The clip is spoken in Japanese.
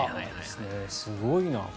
すごいな。